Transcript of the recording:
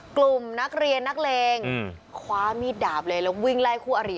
กลุ่มนักเรียนนักเลงคว้ามีดดาบเลยแล้ววิ่งไล่คู่อริ